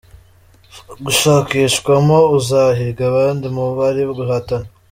Gushakishwamo uzahiga abandi mu bari guhatana.